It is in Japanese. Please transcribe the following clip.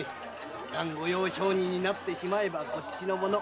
いったん御用商人になってしまえばこっちのもの。